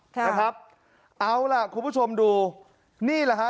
ค่ะนะครับเอาล่ะคุณผู้ชมดูนี่แหละฮะ